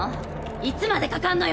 いつまでかかんのよ‼